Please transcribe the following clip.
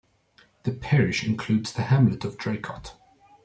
The parish includes the hamlet of Draycott.